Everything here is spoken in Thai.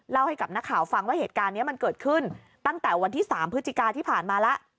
ให้กับนักข่าวฟังว่าเหตุการณ์นี้มันเกิดขึ้นตั้งแต่วันที่๓พฤศจิกาที่ผ่านมาแล้ว